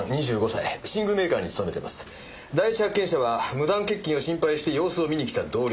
第一発見者は無断欠勤を心配して様子を見に来た同僚。